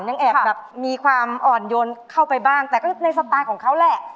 ยังแอบแบบมีความอ่อนโยนเข้าไปบ้างแต่ก็ในสไตล์ของเขาแหละ